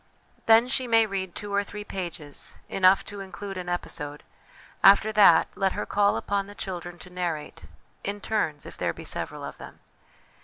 Then, she may read two or three pages, enough to include an episode ; after that, let her call upon the children to narrate, in turns, if there be several of them.